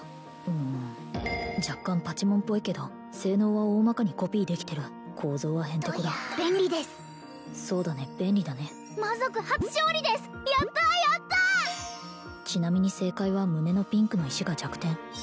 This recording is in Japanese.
うん若干パチモンっぽいけど性能はおおまかにコピーできてる構造はヘンテコだ便利ですそうだね便利だね魔族初勝利ですやったやったちなみに正解は胸のピンクの石が弱点